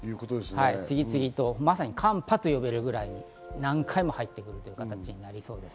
まさに寒波と呼べるぐらい、何回も入ってくるということになりそうです。